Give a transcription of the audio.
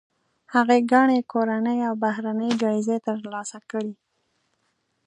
هغې ګڼې کورنۍ او بهرنۍ جایزې ترلاسه کړي.